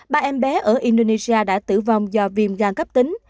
ba em bé ở indonesia đã tử vong do viêm gan cấp tính